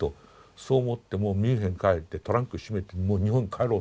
そう思ってもうミュンヘンに帰ってトランク閉めてもう日本に帰ろうと。